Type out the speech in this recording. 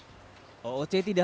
ooc tidak hanya mencari pemeran